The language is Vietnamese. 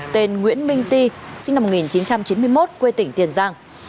tên nguyễn minh ti sinh năm một nghìn chín trăm chín mươi một quê tỉnh tiền giang